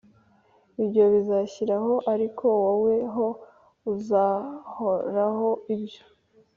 Ibyo bizashiraho ariko wowe ho uzahoraho Ibyo